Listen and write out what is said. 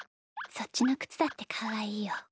そっちのくつだってかわいいよ。